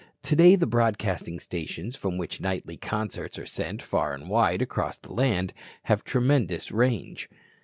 Today the broadcasting stations, from which nightly concerts are sent far and wide across the land, have tremendous range.